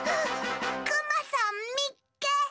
クマさんみっけ！